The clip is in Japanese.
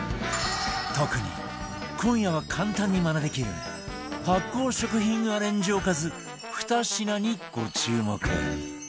特に今夜は簡単にマネできる発酵食品アレンジおかず２品にご注目